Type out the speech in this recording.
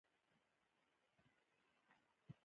د افغانستان د اقتصادي پرمختګ لپاره پکار ده چې ډالر کنټرول شي.